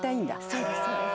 そうですそうです。